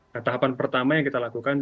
nah tahapan pertama yang kita lakukan